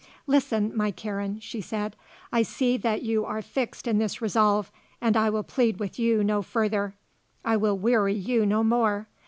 "Listen, my Karen," she said. "I see that you are fixed in this resolve and I will plead with you no further. I will weary you no more.